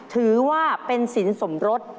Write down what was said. ถือว่าเป็นสินสมรส